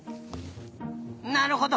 なるほど！